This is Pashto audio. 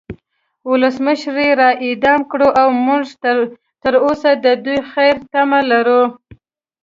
ولسمشر یی را اعدام کړو او مونږ تروسه د دوی د خیر تمه لرو